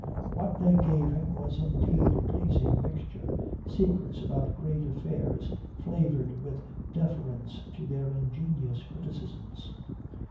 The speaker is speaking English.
What they gave him was indeed a pleasing mixture secrets about great affairs flavoured with deference to his ingenious criticisms.